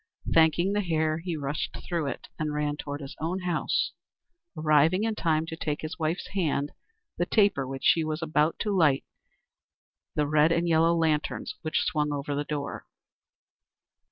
Thanking the Hare, he rushed through it, and ran toward his own house, arriving in time to take from his wife's hand the taper with which she was about to light the red and yellow lanterns which swung over the door.